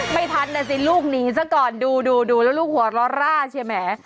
ไม่ทันนะสิลูกนี้ซะก่อนดูแล้วลูกหัวร้อใช่ไหม